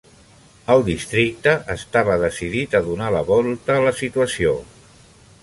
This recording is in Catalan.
El districte estava decidit a donar la vota a la situació.